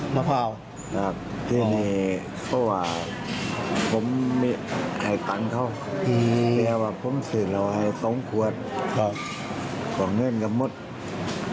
เพราะว่าผมสื่นเอาให้๒ขวดของเงินกับมุษย์